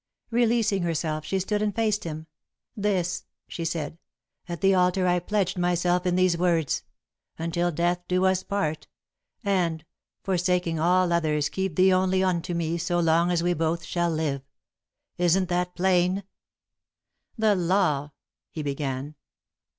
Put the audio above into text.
Releasing herself she stood and faced him. "This," she said. "At the altar I pledged myself in these words: 'Until death do us part,' and 'Forsaking all others, keep thee only unto me so long as we both shall live.' Isn't that plain?" "The law," he began.